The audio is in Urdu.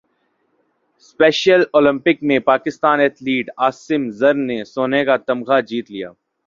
اسپیشل اولمپکس میں پاکستانی ایتھلیٹ عاصم زر نے سونے کا تمغہ جیت لیا